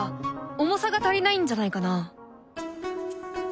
重さが足りないんじゃないかな？